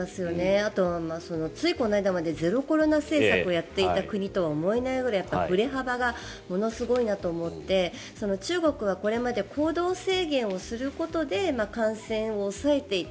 あとは、ついこないだまでゼロコロナ政策をやっていた国とは思えないぐらい、振れ幅がものすごいなと思っていて中国はこれまで行動制限をすることで感染を抑えていた。